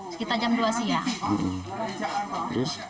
sekitar jam dua siang